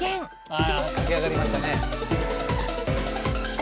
あ駆け上がりましたね。